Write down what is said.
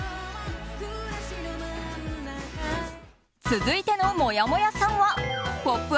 続いてのもやもやさんは「ポップＵＰ！」